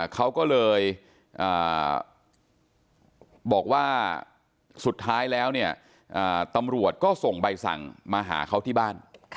เขาก็เลยบอกว่าสุดท้ายแล้วเนี่ยตำรวจก็ส่งใบสั่งมาหาเขาที่บ้าน